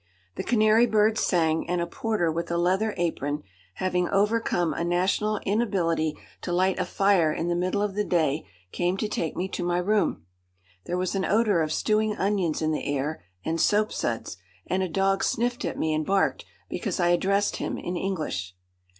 The canary birds sang, and a porter with a leather apron, having overcome a national inability to light a fire in the middle of the day, came to take me to my room. There was an odour of stewing onions in the air, and soapsuds, and a dog sniffed at me and barked because I addressed him in English.